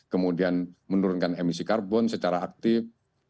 kemudian menurunkan emisi karbon secara aktif